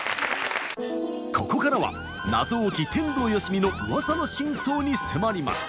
ここからは謎多き天童よしみのウワサの真相に迫ります。